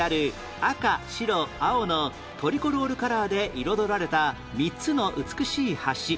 赤白青のトリコロールカラーで彩られた３つの美しい橋